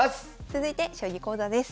続いて将棋講座です。